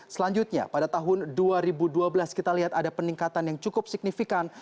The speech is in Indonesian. selanjutnya pada tahun dua ribu dua belas kita lihat ada peningkatan yang cukup signifikan